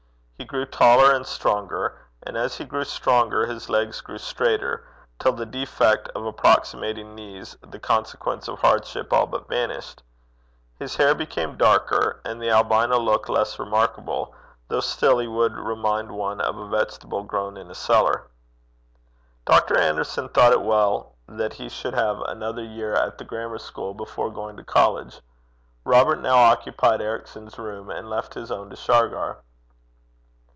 He grew taller and stronger, and as he grew stronger, his legs grew straighter, till the defect of approximating knees, the consequence of hardship, all but vanished. His hair became darker, and the albino look less remarkable, though still he would remind one of a vegetable grown in a cellar. Dr. Anderson thought it well that he should have another year at the grammar school before going to college. Robert now occupied Ericson's room, and left his own to Shargar.